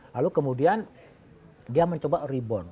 lalu kemudian dia mencoba rebound